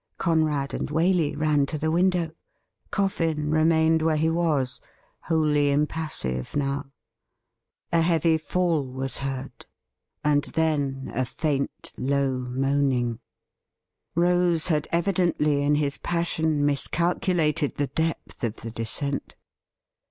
Conrad and Waley ran to the window ; Coffin remained where he was, wholly impassive now, A heavy fall was heard, and then a faint, low moaning. Rose had evidently in his passion miscalculated the depth of the descent.